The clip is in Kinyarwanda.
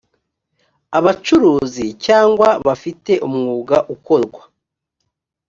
abacuruzi cyangwa bafite umwuga ukorwa